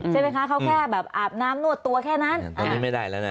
ใช่ไหมคะเขาแค่แบบอาบน้ำนวดตัวแค่นั้นอันนี้ไม่ได้แล้วเนี่ย